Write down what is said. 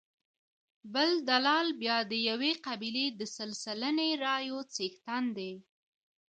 بل دلال بیا د یوې قبیلې د سل سلنې رایو څښتن دی.